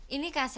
ini kasetnya bu